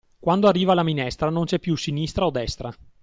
Quando arriva la minestra non c'è più sinistra o destra.